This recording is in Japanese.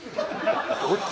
どっち？